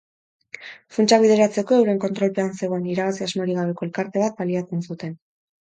Funtsak bideratzeko, euren kontrolpean zegoen irabazi-asmorik gabeko elkarte bat baliatzen zuten.